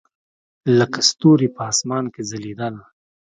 لکه ستوري په اسمان کښې ځلېدل.